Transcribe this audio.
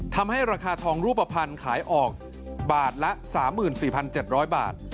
ทำให้ราคาทองรูปภัณฑ์ขายออกบาทละ๓๔๗๐๐บาท